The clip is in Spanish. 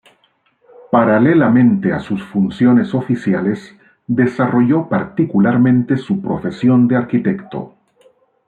Paralelamente a sus funciones oficiales, desarrolló particularmente su profesión de arquitecto.